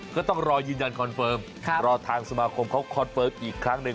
ก็ต้องรอยืนยันคอนเฟิร์มรอทางสมาคมเขาคอนเฟิร์มอีกครั้งหนึ่ง